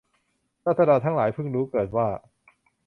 ราษฎรทั้งหลายพึงรู้เถิดว่า